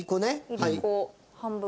いりこ半分。